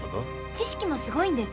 知識もすごいんです。